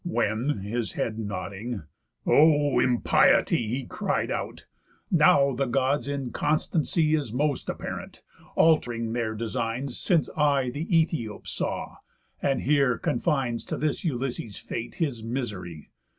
When, his head nodding; "O impiety," He cried out, "now the Gods' inconstancy Is most apparent, alt'ring their designs Since I the Æthiops saw, and here confines To this Ulysses' fate his misery.